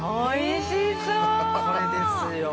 これですよ。